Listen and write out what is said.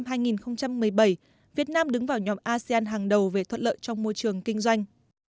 năm hai nghìn một mươi bảy việt nam đứng vào nhóm asean hàng đầu về thuận lợi trong môi trường kinh doanh